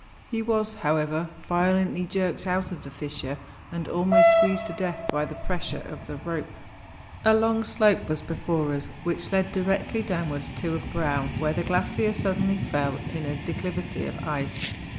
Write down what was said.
He was, however, violently jerked out of the fissure, and almost squeezed to death by the pressure of the rope. A long slope was before us, which led directly downwards to a brow where the glacier suddenly fell in a declivity of ice.